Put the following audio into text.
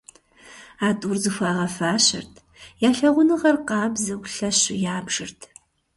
А тӏур зыхуагъэфащэрт, я лъагъуныгъэр къабзэу, лъэщу ябжырт.